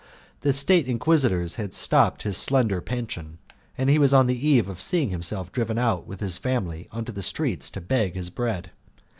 The State Inquisitors had stopped his slender pension, and he was on the eve of seeing himself driven out with his family into the streets to beg his bread.